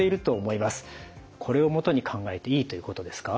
これを基に考えていいということですか？